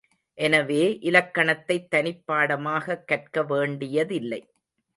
எனவே இலக்கணத்தைத் தனிப்பாடமாகக் கற்கவேண்டியதில்லை.